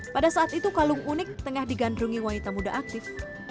pada saat itu kalung unik tengah digandrungi wanita muda aktif